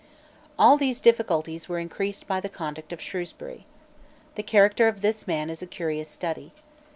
All these difficulties were increased by the conduct of Shrewsbury. The character of this man is a curious study.